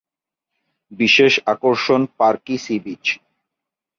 বিশেষ আকর্ষণ পারকী সী বীচ।